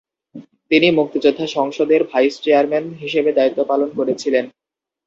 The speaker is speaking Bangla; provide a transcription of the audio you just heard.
তিনি মুক্তিযোদ্ধা সংসদের ভাইস চেয়ারম্যান হিসেবে দায়িত্ব পালন করেছিলেন।